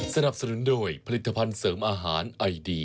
สนับสนุนโดยผลิตภัณฑ์เสริมอาหารไอดี